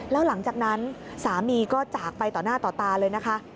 แล้วหลังจากนั้นสามีก็จากไปต่อหน้าต่อตาเลยนะคะ